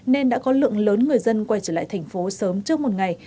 nên đã có lượng lớn người dân quay trở lại thành phố sớm trước một ngày